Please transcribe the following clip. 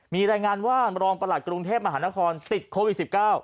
มีรายงานว่ารองประหลัดกรุงเทพมหานครติดโควิด๑๙